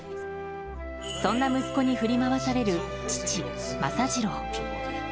そんな息子に振り回される父・政次郎。